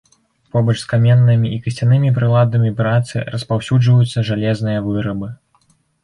Побач з каменнымі і касцянымі прыладамі працы распаўсюджваюцца жалезныя вырабы.